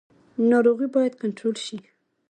ناروغي باید کنټرول شي